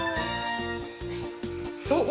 そう。